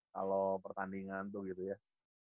kalau pertandingan tuh gitu ya